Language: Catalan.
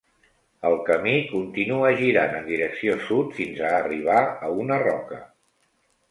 El camí continua girant en direcció sud, fins a arribar a una roca.